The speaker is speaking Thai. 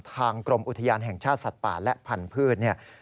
กรมอุทยานแห่งชาติสัตว์ป่าและพันธุ์เนี่ย